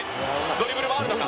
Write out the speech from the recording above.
ドリブルもあるのか？